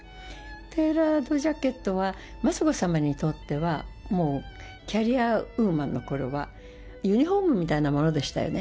テーラードジャケットは、雅子さまにとっては、もうキャリアウーマンのころはユニホームみたいなものでしたよね。